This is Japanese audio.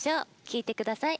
聴いてください。